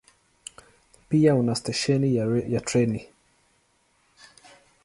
Pia una stesheni ya treni.